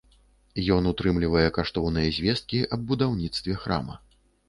Ён утрымлівае каштоўныя звесткі аб будаўніцтве храма.